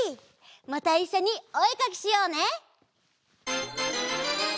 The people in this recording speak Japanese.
またいっしょにおえかきしようね！